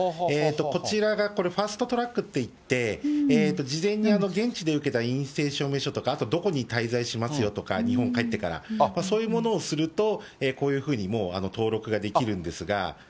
こちらが、これ、ファストトラックっていって、事前に現地で受けた陰性証明書とか、あとどこに滞在しますよとか、日本に帰ってから、そういうものをすると、こういうふうに、もう登録ができるんですが。